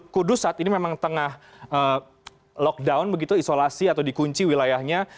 kudus saat ini memang tengah lockdown begitu isolasi atau dikunci wilayahnya